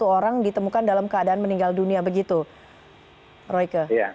satu orang ditemukan dalam keadaan meninggal dunia begitu royke